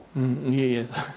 いえいえ。